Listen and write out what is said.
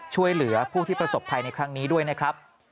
ช่วยเหลือผู้ที่ประสบภัยในครั้งนี้ด้วยนะครับ